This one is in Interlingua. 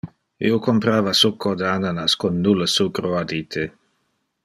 Io comprava succo de ananas con nulle sucro addite.